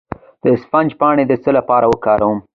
د اسفناج پاڼې د څه لپاره وکاروم؟